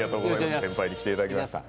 先輩に来ていただきました。